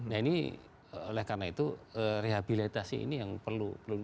nah ini oleh karena itu rehabilitasi ini yang perlu